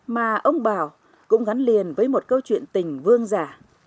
mà ông bảo cũng gắn liền với một câu chuyện tình vương giả